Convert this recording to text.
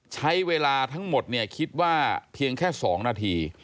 ใช้เวลาทั้งหมดเนี่ยคิดว่าเพียงแค่๒นาที